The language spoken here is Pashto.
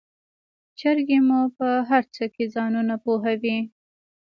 چرګې مو په هرڅه کې ځانونه پوهوي.